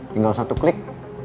tinggal satu klik